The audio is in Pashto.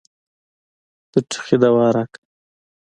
د ټوخي دوا راکه.